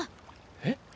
えっ？